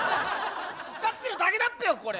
突っ立ってるだけだっぺよこれ。